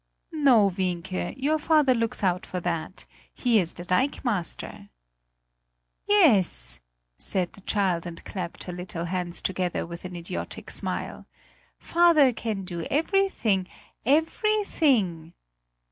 "No, Wienke; your father looks out for that, he is the dikemaster." "Yes," said the child and clapped her little hands together with an idiotic smile. "Father can do everything everything!"